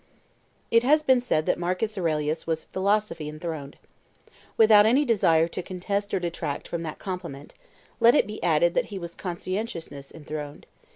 It has been said that Marcus Aurelius was philosophy enthroned. Without any desire to contest or detract from that compliment, let it be added that he was conscientiousness enthroned.